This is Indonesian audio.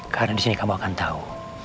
karena disini kamu akan tau